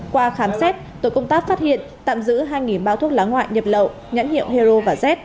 qua khám xét tội công tác phát hiện tạm giữ hai bao thuốc lá ngoại nhập lậu nhãn hiệu hero và z